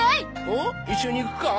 おお一緒に行くか？